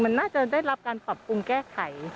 มันน่าจะได้รับการปรับปรุงแก้ไข